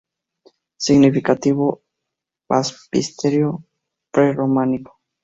Significativo baptisterio prerrománico.